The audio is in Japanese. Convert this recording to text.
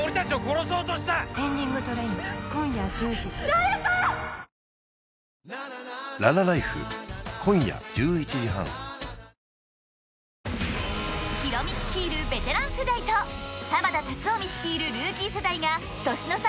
颯アサヒの緑茶「颯」ヒロミ率いるベテラン世代と濱田龍臣率いるルーキー世代が年の差！